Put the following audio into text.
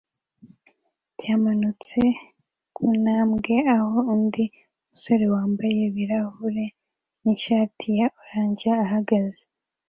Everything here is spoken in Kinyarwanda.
cyamanutse kuntambwe aho undi musore wambaye ibirahure nishati ya orange ahagaze